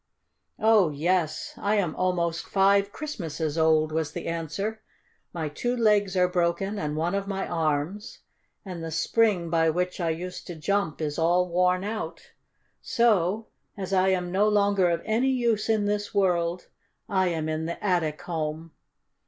"Oh, yes, I am almost five Christmases old," was the answer. "My two legs are broken, and one of my arms, and the spring by which I used to jump is all worn out. So, as I am no longer of any use in this world, I am in the Attic Home.